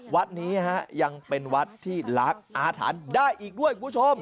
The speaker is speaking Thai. วัดนี้ยังเป็นวัดที่ล้างอาถรรพ์ได้อีกด้วยคุณผู้ชม